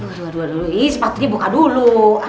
aduh aduh aduh ii sepatunya buka dulu